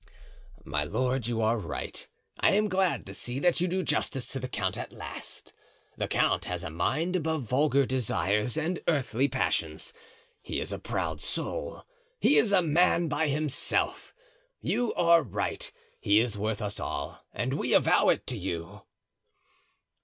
"My lord, you are right, and I am glad to see that you do justice to the count at last. The count has a mind above vulgar desires and earthly passions. He is a proud soul—he is a man by himself! You are right—he is worth us all, and we avow it to you!"